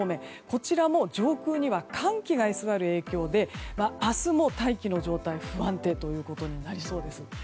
こちらも上空には寒気が居座る影響で明日も大気の状態は不安定となりそうです。